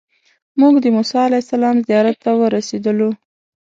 موږ د موسی علیه السلام زیارت ته ورسېدلو.